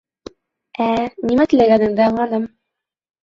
Ә, нимә теләгәнеңде аңланым.